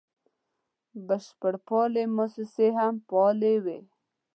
بشرپالې موسسې هم فعالې وې.